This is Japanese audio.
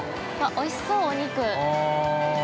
おいしそう、お肉。